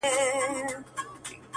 حالاتو داسې جوارې راسره وکړله چي؛